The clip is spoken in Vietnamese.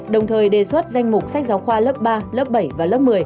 đồng thời đề xuất danh mục sách giáo khoa lớp ba lớp bảy và lớp một mươi